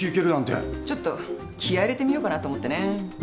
ちょっと気合い入れてみようかなと思ってね。